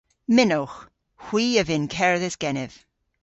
Mynnowgh. Hwi a vynn kerdhes genev.